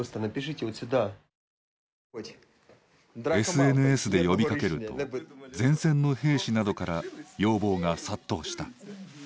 ＳＮＳで呼びかけると前線の兵士などから要望が殺到した。